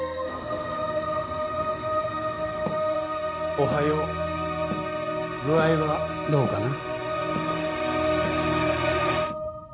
おはよう具合はどうかな？